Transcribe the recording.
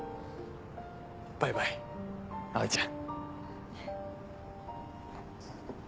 バイバイ葵ちゃん。